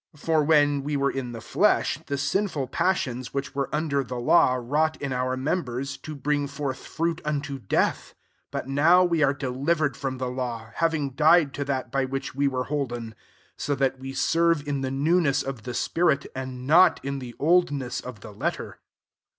5 For, when we were in the flesh, the sinful passions, which were under the law, wrought in our members, to bring forth fruit unto death ; 6 but now we are delivered from the law, having died to that by which we were hoi den; so that we serve in the newness of the spirit, and not in the old ness of the letter.